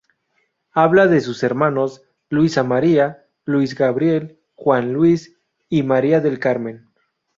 Habla de sus hermanos, Luisa María, Luis Gabriel, Juan Luis y María del Carmen.